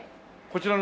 こちら。